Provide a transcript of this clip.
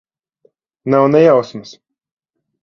Nav ne jausmas.